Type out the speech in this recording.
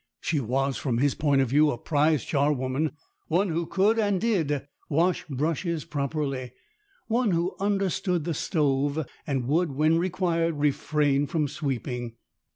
She was, from his point of view, a prize char woman one who could, and did, wash brushes properly, one who understood the stove, and would, when required, refrain from sweeping.